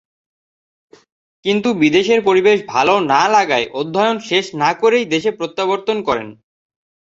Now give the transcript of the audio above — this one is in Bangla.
কিন্তু বিদেশের পরিবেশ ভালো না-লাগায় অধ্যয়ন শেষ না-করেই দেশে প্রত্যাবর্তন করেন।